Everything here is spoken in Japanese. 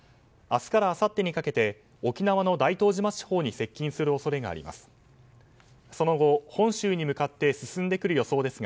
明日からあさってにかけて沖縄の大東島地方に接近する恐れがあります。